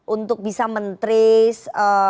untuk bisa mentris